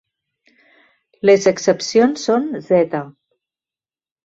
Les excepcions són z.